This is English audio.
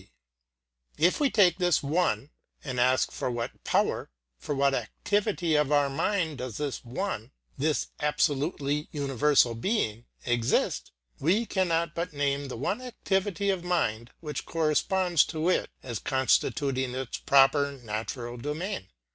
If we take this One, and ask for what power, for what activity of our mind does this One, this absolutely universal Being, exist, we cannot but name the one activity of mind which corresponds to it as constituting its proper natural domain.